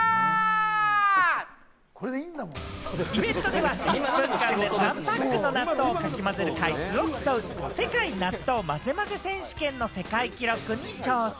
イベントでは１分間で３パックの納豆を何回混ぜられるか、かき混ぜる回数を競う、世界納豆まぜまぜ選手権の世界記録に挑戦。